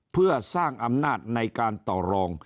เพื่อสร้างอำนาจในการต่อรอง